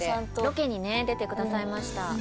ロケにね出てくださいました。